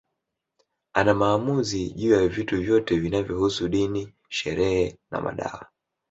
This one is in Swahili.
Ana maamuzi juu ya vitu vyote vinavyohusu dini sherehe na madawa